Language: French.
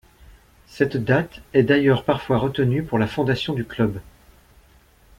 Cette date est d’ailleurs parfois retenue pour la fondation du club.